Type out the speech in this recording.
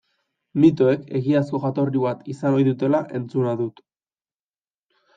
Mitoek egiazko jatorri bat izan ohi dutela entzuna dut.